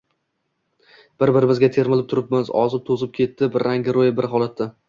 Bir-birimizga termulib turibmiz. Ozib-toʼzib ketibdi, rang-roʼyi bir holatda.